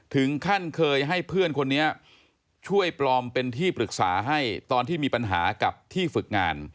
ถึงขั้นเคยให้เพื่อนคนนี้ช่วยปลอมเป็นที่ปรึกษาให้ตอนที่มีปัญหากับที่ฝึกงาน